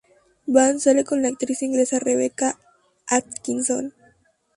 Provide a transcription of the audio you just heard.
Ben sale con la actriz inglesa Rebecca Atkinson.